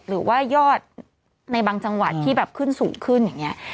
หรือว่ายอดในบางจังหวัดที่แบบขึ้นสูงขึ้นอย่างนี้